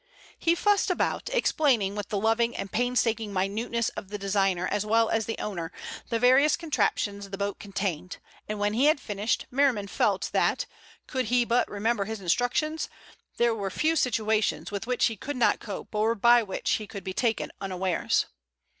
He fussed about, explaining with the loving and painstaking minuteness of the designer as well as the owner, the various contraptions the boat contained, and when he had finished, Merriman felt that, could he but remember his instructions, there were few situations with which he could not cope or by which he could be taken unawares.